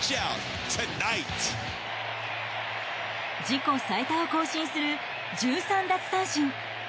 自己最多を更新する１３奪三振。